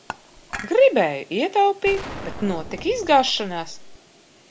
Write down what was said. Gribēju ietaupīt, bet notika izgāšanās!